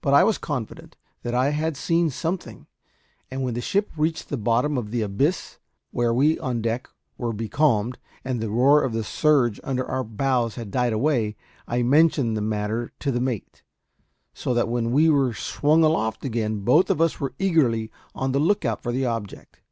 But I was confident that I had seen something; and when the ship reached the bottom of the abyss, where we on deck were becalmed, and the roar of the surge under our bows had died away, I mentioned the matter to the mate; so that when we were swung aloft again both of us were eagerly on the lookout for the object.